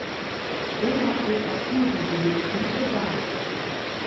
Dennoch wird auch hier die Symmetrie gewahrt.